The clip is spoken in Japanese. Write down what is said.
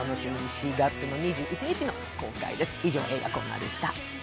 ４月２１日の公開です。